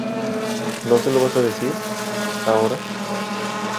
¿ no se lo vas a decir? ¿ ahora?